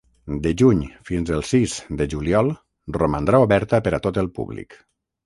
De juny fins el sis de juliol romandrà oberta per a tot el públic.